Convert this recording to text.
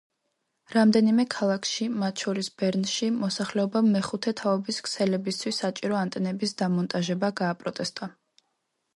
რამდენიმე ქალაქში, მათ შორის ბერნში, მოსახლეობამ მეხუთე თაობის ქსელებისთვის საჭირო ანტენების დამონტაჟება გააპროტესტა.